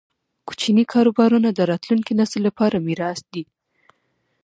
کوچني کاروبارونه د راتلونکي نسل لپاره میراث دی.